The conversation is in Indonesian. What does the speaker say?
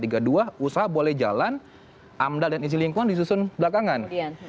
usaha boleh jalan amdal dan isi lingkungan disusun belakangan